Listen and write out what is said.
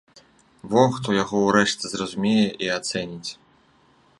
Во хто яго ўрэшце зразумее і ацэніць!